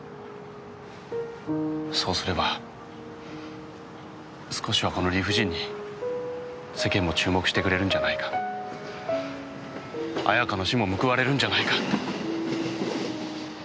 そうすれば少しはこの理不尽に世間も注目してくれるんじゃないか綾香の死も報われるんじゃないかって。